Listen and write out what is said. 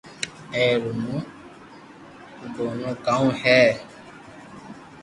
اي رو مون گونو ڪاو ھي